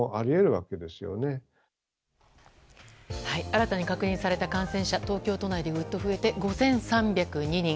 新たに確認された感染者東京都内でぐっと増えて、５３０２人。